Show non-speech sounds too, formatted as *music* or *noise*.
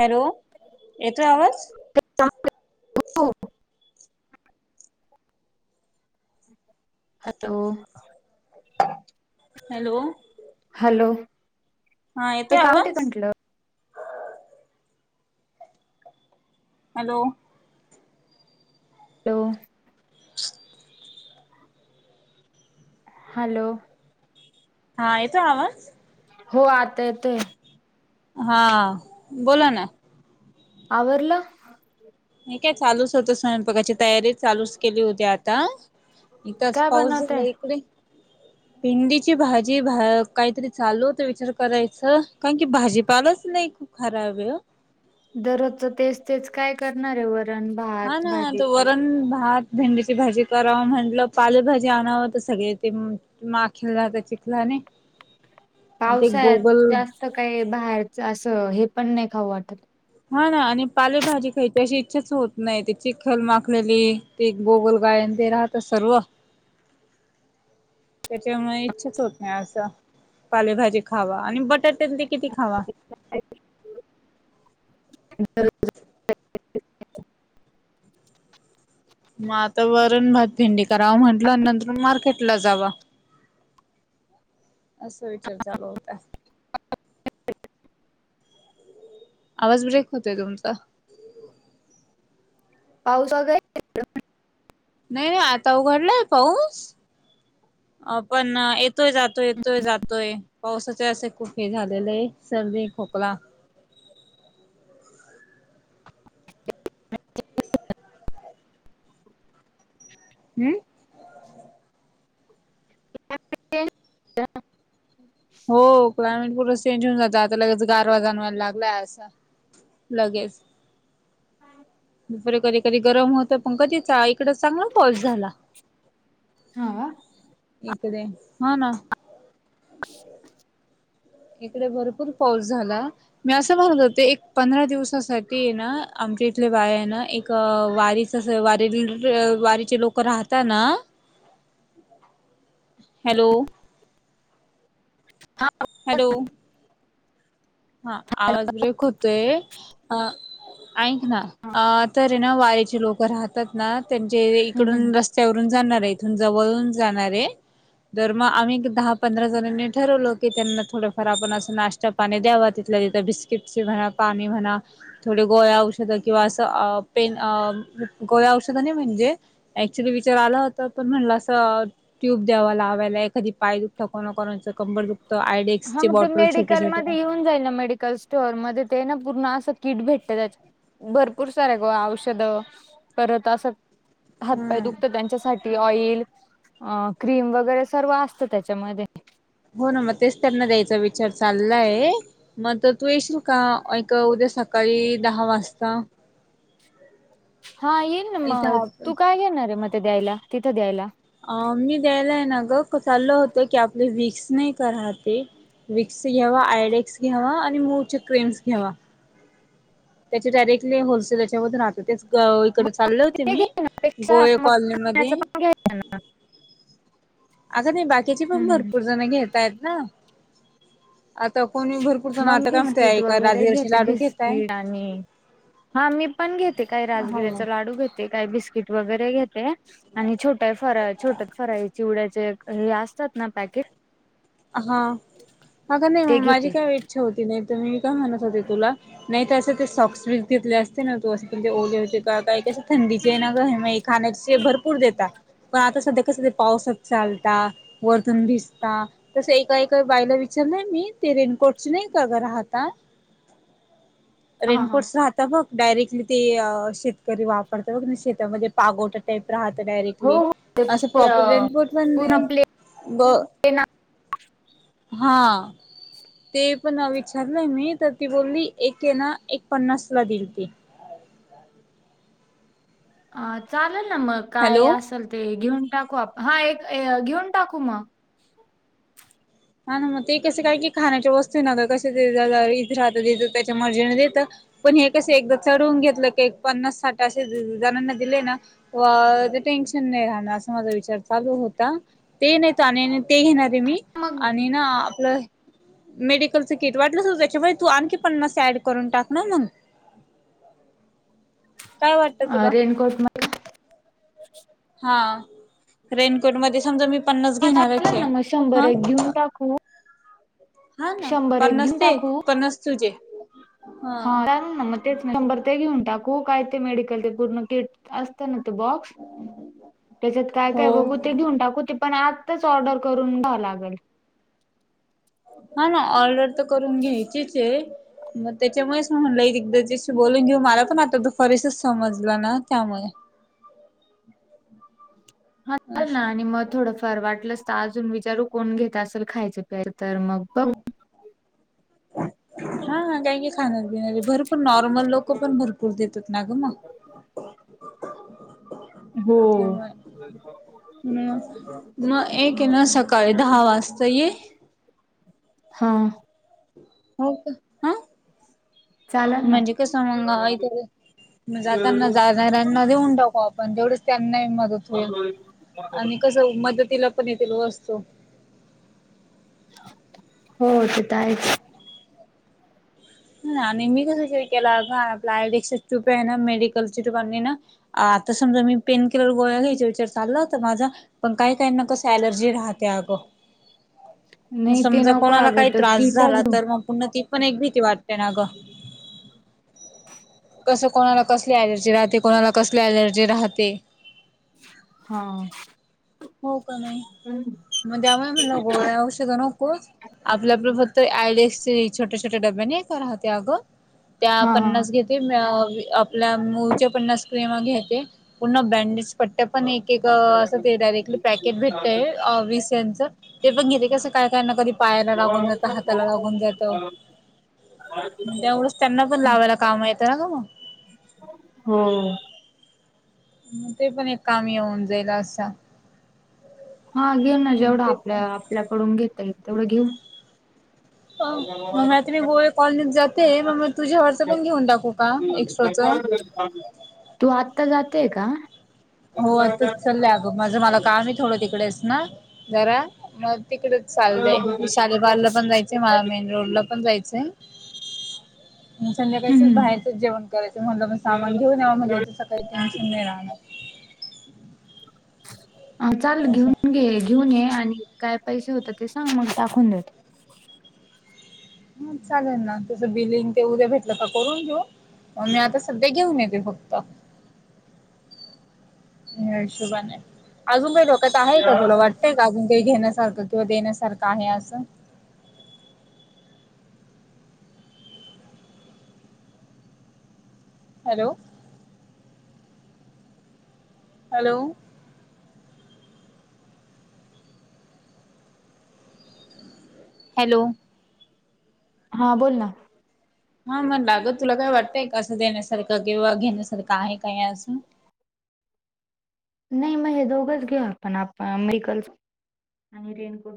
Hello येतो आवाज हो हो. हॅलो. हॅलो. हॅलो. हा ते येतोय काम होते आवाज म्हटलं हॅलो. हॅलो. *inaudible* हॅलो. हा येतोय आवाज हो आता येतोय. हा बोला ना. आवरलं. नाही काय चालूच होत स्वयंपाकाची तयारीत चालूच केली होती आता इथच काय पाऊस बनवतय झाला इकडे. *inaudible* भिंडीची भाजी काहीतरी चालूत विचार करायचं कारण की भाजीपालाच नाही. खूप खराब आहे ओ. दररोजच तेच तेच काय करणार आहे वरण हा भात ना भाजी तो पोळी वरण भात भेंडीची भाजी कराव म्हंटलं पालकभाजी आणावं तर सगळे ते माखेललाता चिखलाने आणि ते पावसाळ्यात गोगल. जास्त काही बाहेरच असं हे पण नाही खाऊं वाटत. हा ना आणि पालेभाजी खायची अशी इच्छाच होत नाही ते चिक्खल माखलेली ते गोगलगाय ते असं सर्व ह *inaudible* त्याच्यामुळे इच्छाच होत नाही असं. पालेभाजी खावा आणि बटाटे ते किती खावा. मी तर मग आता वरण भात भेंडी करावा म्हंटलं नंतर मार्केट ला जावा. असा विचार चालू होता. आवाज ब्रेक होतोय तुमचा? पाऊस वगैरे नाही नाही आता उघडलाय पाऊस पण येतोय जातोय येतोय जातोय पावसाचे असे खूप हे झालेले आहे सर्दी खोकला हम्म हो क्लायमेट पुढं चेंज होऊन जातात लगेच गारवा जाणवायला लागलाय असं लगेच कधी कधी गरम होतं पण कधी इकड चांगला पाऊस झाला हा वा एकद हा ना इकडे भरपूर पाऊस झाला मी असं म्हणत होते एक पंधरा दिवसासाठी ना आमच्या इथले बाय आहे ना एक अ वारीच वारी वारीचे लोक राहतात ना *inaudible* हॅलो हा हॅलो हा आवाज ब्रेक होतोय ऐक ना तर वारीचे लोक राहतात ना त्यां हम्म इकडून रस् चवरून जाणार आहे इथून जवळून जाणार आहे तरर मग आम्ही दहा पंधरा जणांनी ठरवलो की त्यांना थोडंफार आपण असं नाश्ता पाणी द्यावत तिथल्या तिथं बिस्किटस म्हणा पाणी म्हणा थोडे गोळ औषधं किंवा असं पेन अ गोळ औषधं नाही म्हणजे ऍक्च्युली विचार आला होता पण म्हणलं अस ट्यूब द्यावा लावायला एखादी पाय दुखतं कोणा कोणाच कंबर दुखतं हा आयडेक्सचे मग ते बॉटल छोटे छोटे मेडिकलमध्येध्ये येऊन जाईल मेडिकल स्टोअरमध्येध्ये ते ना पूर्ण असं किट भेटत त्याच भरपूर सारे ग औषध करत असं हातपाय हम्म दुखत त्यांच्यासाठी ऑइल अ क्रीम वगैरे सर्व असतं त्याच्यामध्ये हो ना मग तेच त्यांना द्यायचा विचार चाललाय मग तू येशील का एक उद्या सकाळी दहा वाजता हा येईल ना इथे मग आपण तू काय घेणारे म ते द्यायला तिथं द्यायला अ मी द्यायलाय ना ग चाललं होतं की आपले विक्स नाही कहते विक्स घ्यावा आयडेक्स घ्यावा आणि मूवचे क्रेम्स घ्यावा त्याचे डायरेक्टली होलसेल याच्या मधून राहत तेच मग इकडं चाललं ते मी गोवे कॉलनीमध्येध्ये हल आता नाही बाकीची पण भरपूर जण घेतायत ना आता कोणी भरपूर जण मग आता काय बिस्किट म्हणतय का वगैरे राजगिराचे घेते लाडू घेताय बिस्किट आणि हा मी पण घेते काही हो राजगिऱ्याचा लाडू घेते काय बिस्किट वगैरे घेते आणि छोटा फरा छोट फराई चिवड्याचे हे असतात ना पॅकेट हा ह का नाही ते मग माझी घेते काय इच्छा होती नाही तर मीी काय म्हणत होते तुला नाही तर असं ते सॉक्स बस घेतले असते ना तो असणे ओले होते काय कं थंडीचे आहे ना का मा खाण्या भरपूर देता पण आता सध्या कस ते पावसच चालता वरतून भिजता तस एका एका बायला विचारलंय मी ते रेनकोटची नाही का राहता *inaudible* हा रेनकोट राह तर बघ डायरेक्टली ते शेतकरी वापरत बघ ना शेतामध्ये पागोटा टाईप राहत हो डायरेक्टली हो असं ते प्रॉपर रेंटपोर्ट पण पूर्ण नाही प्लेन हा ते पण विचारलं मी तर ती बोलली एके ना एक पन्नासला दिली ती अ चालेल ना मग काय हॅलो असेल ते घेऊन टाकू आप हा एक घेऊन टाकू मग हा ना मग ते कसे काय की खाण्याच्या वस्तू नका कसे इथं राहत देत त्याच्या मर्जीने देतं पण हे कस एकदा चढवून घेतलं की पन्नास साठ असे जणांना दिले ना व ते टेन्शन नाही राहणार असा माझा विचार चालू होता ते नाहीत आणि ते घेणार आहे मी मग आणि ना आपलं मेडिकलचं किट वाटलं त्याच्यामुळे तू आणखी पन्नास ऍड करून टाकण मग काय वाटतं तुला कोत म हा रेनकोट मध्ये समजा मी पन्नास हा घेणारच चालेल आहे ना मग शंभर हा एक घेऊन टाकू हा ना शंभर पन एक घेऊन नसते टाकू पण नस तुजे हा चाल ना मग तेच शंभर ते घेऊन टाकू काय ते मेडिकल ते पूर्ण किट असत ना तो बॉक्स त्याच्यात काय काय हो बघू ते घेऊन टाकू ते पण आत च ऑर्डर करून द्या लागेल हा ना ऑर्डर तर करून घ्यायचीच आहे मग त्याच्यामुळेच म्हणलं एकदा ज बोलून घेऊ मला पण आता तो फरसच समजला ना त्यामुळे हा चाल ना असं आणि मग थोडं फर वाटलंस तर अजून विचारू कोण घेत असेल खायचं प्याय तर मग बघ हा काही क खाणार पिणार भरपूर नॉर्मल लोक पण भरपूर पुूर देत ना ग म हो हम् न एक ये ना सकाळी दहा वाजता ये हा हो का हा चालेल ना म्हणजे कसं मंगा इ तर जाताना ज ना देऊन टाकू आपण जवढच त्यांना मदत होईल आणि कस मदतीला पण येथ असतो हो तेथ आहेच आणि मी कसरी केलं हो आपला आयडक्स टूप आहे ना मेडिकलची टूप ना आता समजा मी पेन किलर गोळ्या घ्यायच्या विचार चालला तर माझा पण काही काही न कस अलर्जी राहते अगं नाही ते समजा नको कोणाला अगं काही तर त्रास किटच झाला घेऊ तर मग पुन्हा तीथ पण एक भीती वाटते ना ग कसं कोणाला कसली एलर्जी राहते कोणाला कसली अलर्जी राहते हा हो का नाही मग त्यामुळे मला गोळ औषध नको आपल्या आप फक्त आयडीएक्स छोट्या छोट्या डब्या नाही का राहते अगं त्या हा हा पन्नास घेत आपल्या मूच्या प स्क्रीम घेते पूर्ण बँडेज पट्ट्या पण एक एक असं ते डायरेक्टली पॅकेट भेटतय वीसच ते पण घेते कसं काय काय ना कधी पायाला लागून जात हाताला लागून जातं तेवढंच त्यांना पण लावायला काम येतं ना का मग होम मग ते पण एक काम येऊन जाईल असा हा घेऊ ना जेवढा ते पण आपल्या आपल्याकडून घेता येईल तेवढं घेऊ मग मी आता मी गोवे कॉलनीत जाते मग म तुझ्यावरचं पण घेऊन टाकू का एक्स्ट्राचं तू आत्ता जातय का होता चचालं अगं माझं मला काम आहे थोडं तिकडेच ना जरा मग तिकडे चालद शालेबारला पण जायचं मला मेन रोड ला पण जायचंय संध्याकाळीसच हम्म बाहेरच जेवण करायचं म्हणला मण सामान घेऊन याव म्हणजे हो. ैतनसंदे रा ह चाल असं. घेऊन घे घेऊन ये आणि काय पैसे होत ते सांग मग टाकवून देत. ह चागल ना तसं बिलिंग ते उद्या भेटलं का करून घेऊ मग मी आता सध्या घेऊन येते फक्त हशुबा नाही अजून काही डोकयत आहे का तुला वाटत. का आपून काही घेण्यासारखं किंवा देण्यासारखं आहे असं. हॅलो. हॅलो. हॅलो. हां बोल ना. हा मग लागत तुला काय वाटतंय कसं देण्यासारखं किंवा घेण्यासारखं आहे काय असं. नाही मग हे दोघच घेऊ आपण आपण मेकल् आणि रेनकोट.